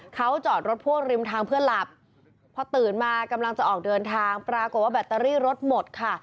เขาจอดรถพ่วงริมทางเพื่อหลับพอตื่นมากำลังจะออกเดินทางปรากฏว่าแบตเตอรี่รถหมดค่ะ